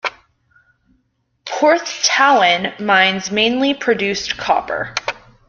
Porthtowan mines mainly produced copper.